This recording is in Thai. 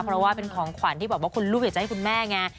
เพราะว่าเป็นของขวัญที่แบบว่าคุณลูกอยากจะให้คุณแม่ไง